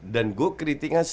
dan gue kritiknya